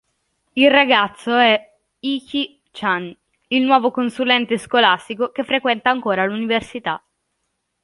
Il ragazzo è Ichi-chan, il nuovo consulente scolastico che frequenta ancora l'università.